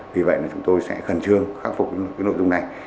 vì vậy là chúng tôi sẽ khẩn trương khắc phục cái nội dung này